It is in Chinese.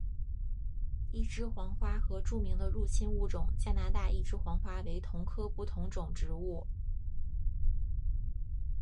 一枝黄花和著名的入侵物种加拿大一枝黄花为同科不同种植物。